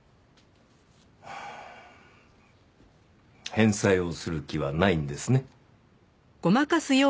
返済をする気はないんですね？